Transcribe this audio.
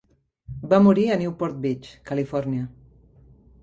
Va morir a Newport Beach, Califòrnia.